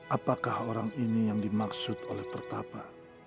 apakah orang ini yang dimaksud oleh pertama